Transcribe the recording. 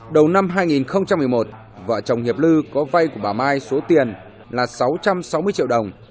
đầu năm hai nghìn một mươi một vợ chồng hiệp lư có vay của bà mai số tiền là sáu trăm sáu mươi triệu đồng